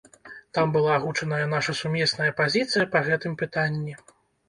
Там была агучаная наша сумесная пазіцыя па гэтым пытанні.